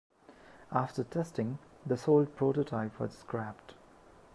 After testing, the sole prototype was scrapped.